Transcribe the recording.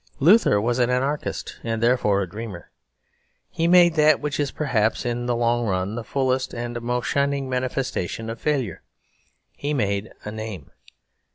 Luther was an anarchist, and therefore a dreamer. He made that which is, perhaps, in the long run, the fullest and most shining manifestation of failure; he made a name.